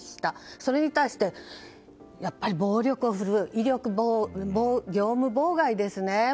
それに対して、暴力をふるう威力業務妨害ですね。